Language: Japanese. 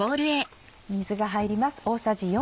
水が入ります。